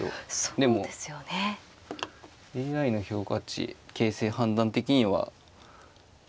でもＡＩの評価値形勢判断的には難しいと。